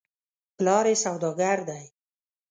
پلار یې سودا ګر دی .